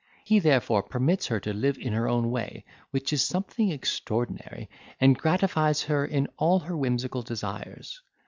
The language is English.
He therefore permits her to live in her own way, which is something extraordinary, and gratifies her in all her whimsical desires.